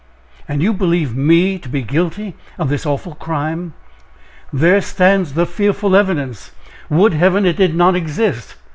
"And you believe me to be guilty of this awful crime!" "There stands the fearful evidence! Would Heaven it did not exist!